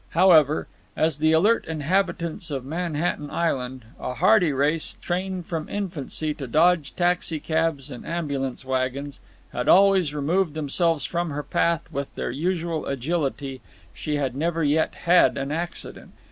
However, as the alert inhabitants of Manhattan Island, a hardy race trained from infancy to dodge taxicabs and ambulance wagons, had always removed themselves from her path with their usual agility, she had never yet had an accident.